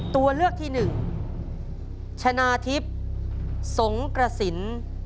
ตัวเลือกที่หนึ่งชนะทิพย์สงกระสิน